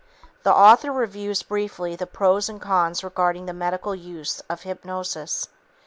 The author reviews briefly the pros and cons regarding the medical use of hypnosis.